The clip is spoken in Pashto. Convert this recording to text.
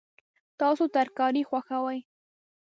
تاسو ترکاري خوښوئ؟